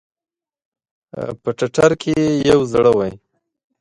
په ټټر کې ئې یو زړه وی